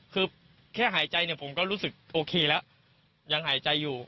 คือแค่หายใจเนี่ยผมก็รู้สึกโอเคแล้วยังหายใจอยู่